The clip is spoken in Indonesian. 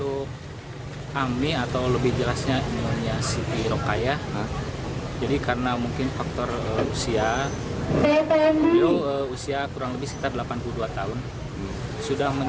alhamdulillah ini terjadi dalam jalan jadi minta yang gak nge ioge